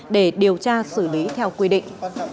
để điều tra xử lý theo quy định